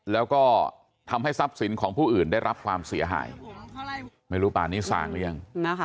แล้วก็ทำให้ทรัพย์สินของผู้อื่นได้รับความเสียหายไม่รู้ป่านี้สางหรือยัง